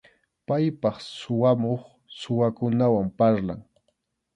Paypaq suwamuq, suwakunawan parlan.